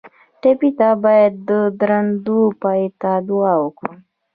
ټپي ته باید د دردونو پای ته دعا وکړو.